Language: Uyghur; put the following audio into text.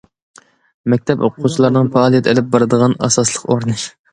مەكتەپ ئوقۇغۇچىلارنىڭ پائالىيەت ئېلىپ بارىدىغان ئاساسلىق ئورنى.